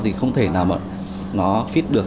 thì không thể nào mà nó fit được